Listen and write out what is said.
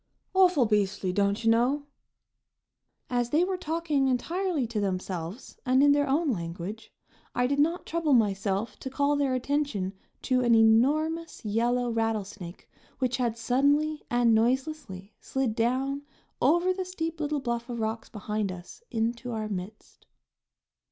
"Awful beastly, don't you know!" As they were talking entirely to themselves and in their own language, I did not trouble myself to call their attention to an enormous yellow rattlesnake which had suddenly and noiselessly slid down, over the steep little bluff of rocks behind us, into our midst.